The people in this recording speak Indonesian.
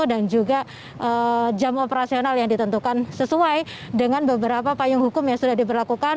dan juga jam operasional yang ditentukan sesuai dengan beberapa payung hukum yang sudah diberlakukan